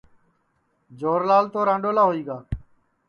جوھر لال تو رانڈولا ہوئی گا